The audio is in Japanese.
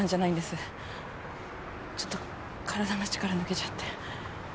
ちょっと体の力抜けちゃって。